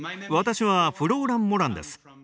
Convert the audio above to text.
私はフローラン・モランです。